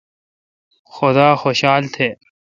خدا خوشال تہ۔